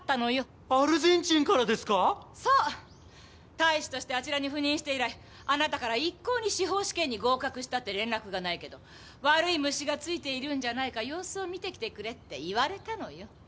大使としてあちらに赴任して以来あなたから一向に司法試験に合格したって連絡がないけど悪い虫がついているんじゃないか様子を見てきてくれって言われたのよ。